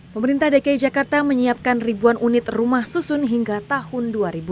pemerintah dki jakarta menyiapkan ribuan unit rumah susun hingga tahun dua ribu dua puluh